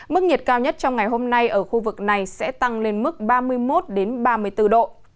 mức nhiệt cao nhất trong ngày hôm nay ở khu vực này sẽ tăng lên mức ba mươi một ba mươi bốn độ